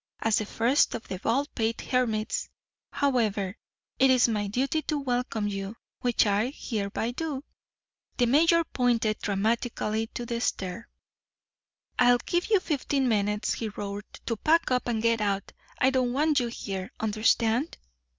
As the first of the Baldpate hermits, however, it is my duty to welcome you, which I hereby do." The mayor pointed dramatically to the stair. "I give you fifteen minutes," he roared, "to pack up and get out. I don't want you here. Understand?"